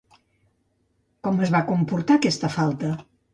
Com es va comportar aquesta falta?